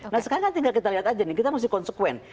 nah sekarang kan tinggal kita lihat aja nih kita mesti konsekuen